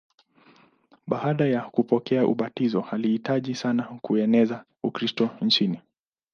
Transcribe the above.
Baada ya kupokea ubatizo alijitahidi sana kueneza Ukristo nchini.